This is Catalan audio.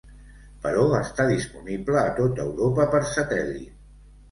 Però està disponible a tot Europa per satèl·lit.